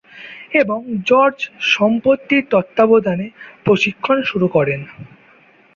এবং জর্জ দম্পতির তত্ত্বাবধানে প্রশিক্ষণ শুরু করেন।